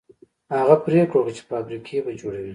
هغه پرېکړه وکړه چې فابريکې به جوړوي.